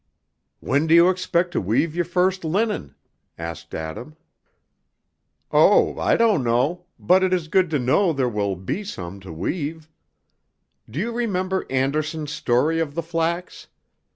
"When do you expect to weave your first linen?" asked Adam. "Oh, I don't know, but it is good to know there will be some to weave. Do you remember Andersen's story of the flax?